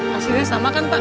hasilnya sama kan pak